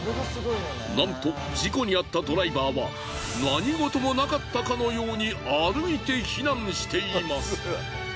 なんと事故にあったドライバーは何事もなかったかのように歩いて避難しています。